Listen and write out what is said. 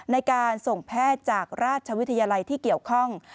ในการส่งแพทย์จากราชวิทยาลัยที่เกี่ยวข้อง